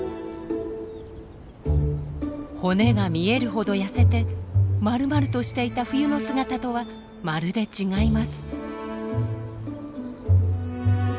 骨が見えるほど痩せてまるまるとしていた冬の姿とはまるで違います。